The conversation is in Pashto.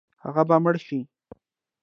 هغه به مړ شي.